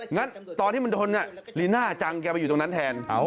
งั้นตอนที่มันโดนลีน่าจังแกไปอยู่ตรงนั้นแทน